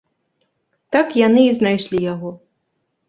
Так яны і знайшлі яго.